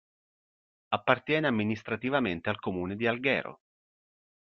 Appartiene amministrativamente al comune di Alghero.